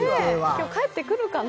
今日、帰ってくるかな？